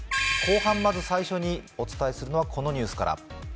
後半、まず最初お伝えするのはこのニュースから。